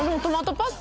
パスタ